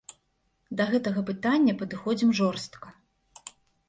Да гэтага пытання падыходзім жорстка.